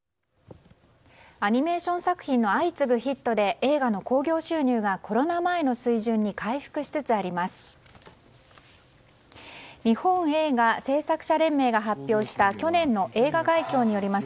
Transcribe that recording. アニメーション作品の相次ぐヒットで映画の興行収入がコロナ前の水準に回復しつつあります。